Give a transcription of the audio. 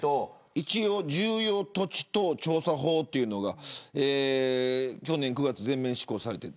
一応、重要土地等調査法というのが去年の９月に全面施行されています。